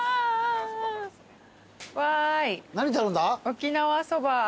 沖縄そば。